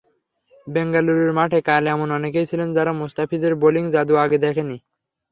বেঙ্গালুরুর মাঠে কাল এমন অনেকেই ছিলেন যারা মুস্তাফিজের বোলিং-জাদু আগে দেখেনি।